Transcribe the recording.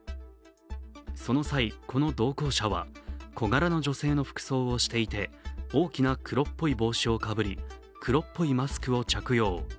その際、この同行者は小柄な女性の服装をしていて大きな黒っぽい帽子をかぶり黒っぽいマスクを着用。